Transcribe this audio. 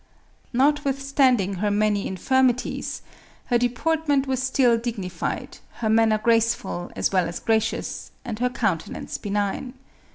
Notwithstanding her many infirmities, her deportment was still digni fied, her manner graceful as well as gracious,, and her countenance benign.